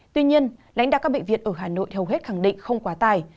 tuy nhiên lãnh đạo các bệnh viện ở hà nội hầu hết khẳng định không quá tài